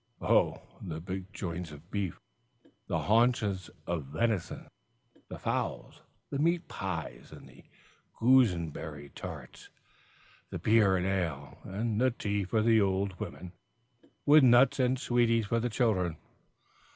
Oh, the big joints of beef, the haunches of venison, the fowls, the meat pies and the gooseberry tarts, the beer and the ale, and the tea for the old women, with nuts and sweeties for the children!